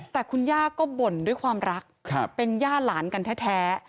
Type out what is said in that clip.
แต่คุณย่าก็บ่นด้วยความรักเป็นย่าหลานกันแท้